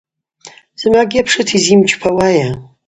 Зымгӏвагьи апшыта йызйымчпауайа?